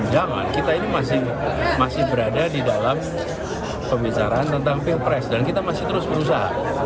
jangan kita ini masih berada di dalam pembicaraan tentang pilpres dan kita masih terus berusaha